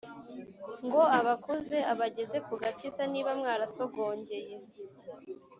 ngo abakuze abageze ku gakiza niba mwarasogongeye